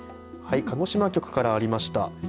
鹿児島局からありました。